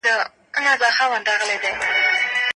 په کور کې سپیلني دود کړئ.